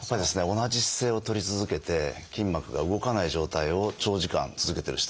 同じ姿勢をとり続けて筋膜が動かない状態を長時間続けてる人。